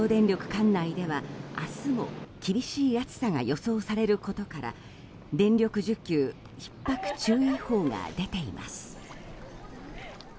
管内では明日も厳しい暑さが予想されることから電力需給ひっ迫注意報が出ています。